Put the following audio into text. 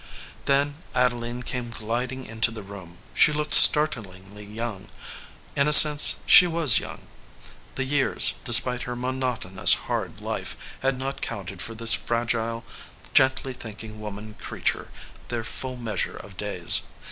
Then Adeline came gliding into the room. She looked startlingly young. In a sense she was young. The years, despite her monotonous, hard life, had not counted for this fragile, gently think ing woman creature their full measure of days.